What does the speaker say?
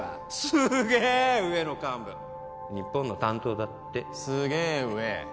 すげえ上の幹部日本の担当だってすげえ上？